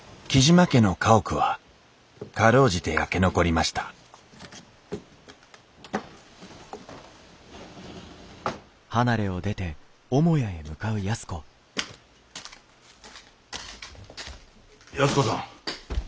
雉真家の家屋は辛うじて焼け残りました安子さん。